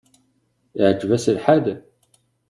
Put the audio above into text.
Iɛǧeb-as lḥal?